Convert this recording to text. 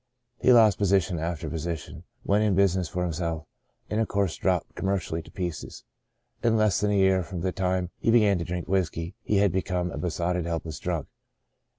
He lost position after position, went in business for himself, and of Saved to the Uttermost 189 course dropped, commercially, to pieces. In less than a year from the time he began to drink whiskey, he had become a besotted, helpless drunkard.